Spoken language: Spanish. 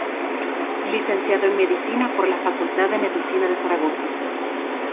Licenciado en Medicina por la Facultad de Medicina de Zaragoza.